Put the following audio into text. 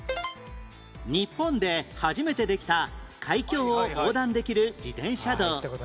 日本で初めてできた海峡を横断できる自転車道